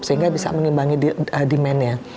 sehingga bisa menyeimbangkan demand nya